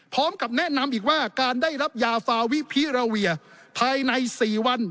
พร้อมกับแนะนำอีกว่าการได้รับยาฟาวิพิราเวียภายใน๔วัน